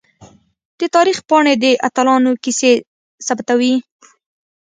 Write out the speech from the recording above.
د تاریخ پاڼې د اتلانو کیسې ثبتوي.